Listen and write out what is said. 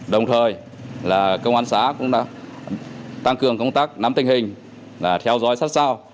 đồng thời là công an xã cũng đã tăng cường công tác nắm tình hình theo dõi sát sao